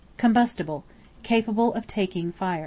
Combustible, capable of taking fire.